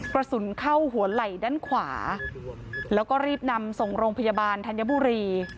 กระสุนเข้าหัวไหล่ด้านขวาแล้วก็รีบนำส่งโรงพยาบาลธัญบุรี